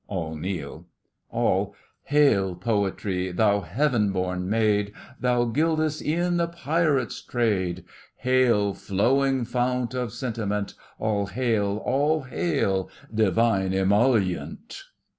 (all kneel) ALL: Hail, Poetry, thou heav'n born maid! Thou gildest e'en the pirate's trade. Hail, flowing fount of sentiment! All hail, all hail, divine emollient!